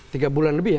tiga bulan lebih ya